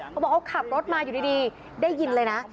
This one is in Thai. เขาบอกเขาขับรถมาอยู่ดีได้ยินเลยนะ